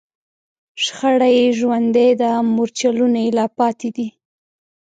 شخړه یې ژوندۍ ده، مورچلونه یې لا پاتې دي